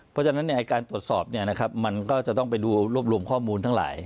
เพราะฉะนั้นเนี่ยการตรวจสอบเนี่ยนะครับมันก็จะต้องไปดูรวบรวมข้อมูลทั้งหลาย